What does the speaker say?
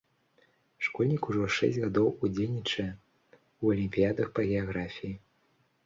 Школьнік ужо шэсць гадоў удзельнічае ў алімпіядах па геаграфіі.